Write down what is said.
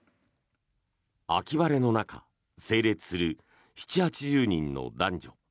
秋晴れの中、整列する７０８０人の男女。